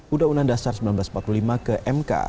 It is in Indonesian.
undang undang dasar seribu sembilan ratus empat puluh lima ke mk